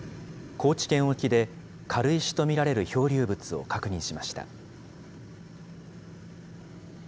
高知県沖で、軽石と見られる漂流物を確認しました。